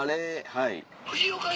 はい。